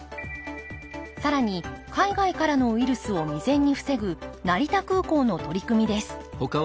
更に海外からのウイルスを未然に防ぐ成田空港の取り組みです